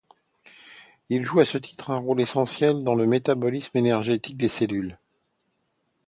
Il joue à ce titre un rôle essentiel dans le métabolisme énergétique des cellules.